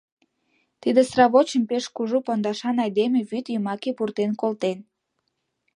Тиде сравочым пеш кужу пондашан айдеме вӱд йымаке пуртен колтен.